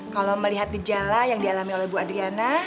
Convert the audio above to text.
kalau melihat gejala yang dialami oleh bu adriana